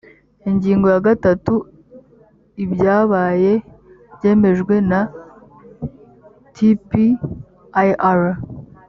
ingingo ya gatatu ibyabaye byemejwe na tpir